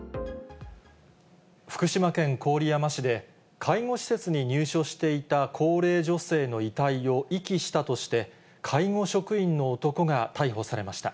福島県郡山市で、介護施設に入所していた高齢女性の遺体を遺棄したとして、介護職員の男が逮捕されました。